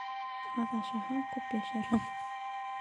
Аҙ ашаһаң, күп йәшәрһең.